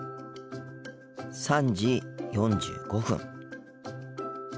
３時４５分。